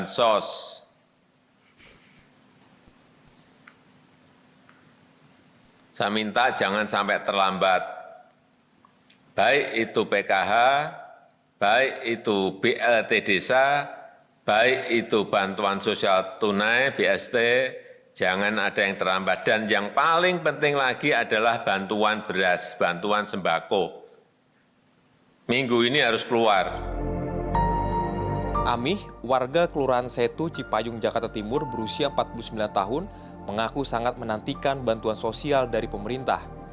jokowi menekankan penyaluran bantuan sosial tetap mendapat pendampingan dari bpkp